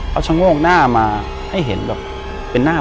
อยู่ที่แม่ศรีวิรัยิลครับ